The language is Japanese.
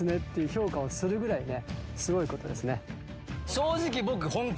正直僕。